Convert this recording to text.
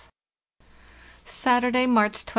"Saturday, March 23d.